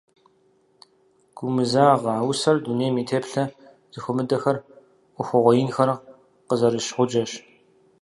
«Гумызагъэ» усэр дунейм и теплъэ зэхуэмыдэхэр, Ӏуэхугъуэ инхэр къызэрыщ гъуджэщ.